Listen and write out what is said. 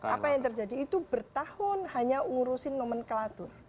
apa yang terjadi itu bertahun hanya ngurusin nomenklatur